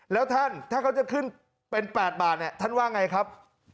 แล้วท่านถ้าเขาจะขึ้นเป็น๘บาทท่านว่าอย่างไรครับ